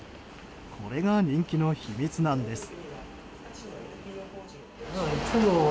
これが人気の秘密なんです。